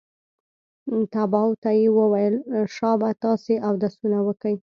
طلباو ته يې وويل شابه تاسې اودسونه وکئ.